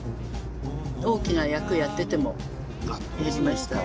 大きな役やっててもやりました。